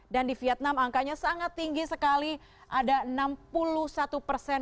dan di vietnam angkanya sangat tinggi sekali ada enam puluh satu persen